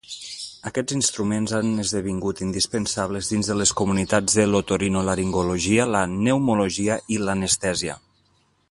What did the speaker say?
Aquests instruments han esdevingut indispensables dins de les comunitats de l'otorinolaringologia, la pneumologia i l'anestèsia.